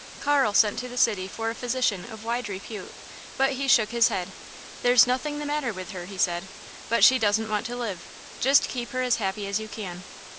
Carl sent to the city for a physician of wide repute, but he shook his head. "There's nothing the matter with her," he said, "but she doesn't want to live. Just keep her as happy as you can."